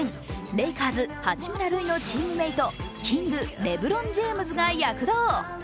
レイカーズ・八村塁のチームメートキングレブロン・ジェームズが躍動。